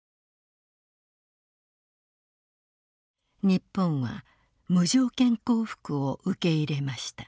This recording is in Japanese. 日本は無条件降伏を受け入れました。